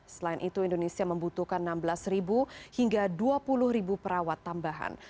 selain itu indonesia membutuhkan enam belas hingga dua puluh perawat tambahan